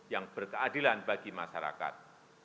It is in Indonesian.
yang berkeadilan bagi masyarakat